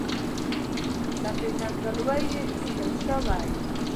له پېژندګلوۍ یې ایستل شوی.